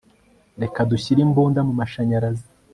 reka dushyire imbunda mumashanyarazi